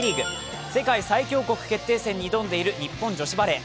世界最強国決定戦に臨んでいる日本女子バレー。